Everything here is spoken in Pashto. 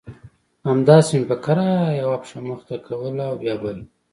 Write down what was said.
همداسې مې په کراره يوه پښه مخته کوله او بيا بله.